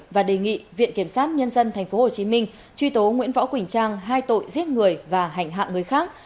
và đề nghị viện kiểm sát nhân dân tp hcm truy tố nguyễn võ quỳnh trang hai tội giết người và hành hạ người khác